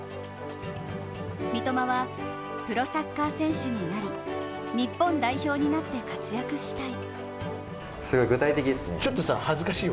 三笘は「プロサッカー選手になり日本代表になって活躍したい」